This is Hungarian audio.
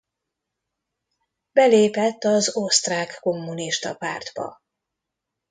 Belépett az osztrák kommunista pártba.